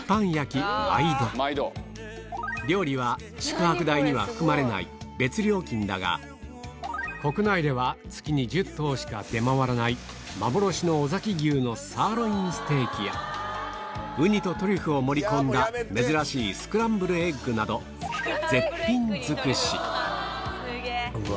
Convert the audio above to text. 料理は宿泊代には含まれない別料金だが国内では月に１０頭しか出回らない幻の尾崎牛のサーロインステーキやウニとトリュフを盛り込んだ珍しいスクランブルエッグなど絶品尽くしうわ